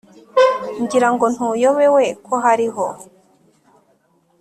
Ngirango ntuyobewe ko hariho